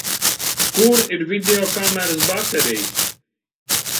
Kur ir videokameras baterijas?